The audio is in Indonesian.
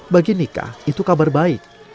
bagi nikah itu kabar baik